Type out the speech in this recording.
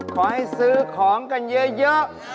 ขอให้ซื้อของกันเยอะ